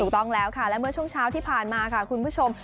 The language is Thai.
ต้องแล้วค่ะและเมื่อช่วงเช้าที่ผ่านมาค่ะคุณผู้ชม